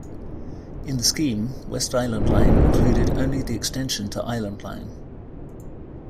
In the scheme, West Island Line included only the extension to Island Line.